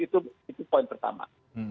itu poin pertama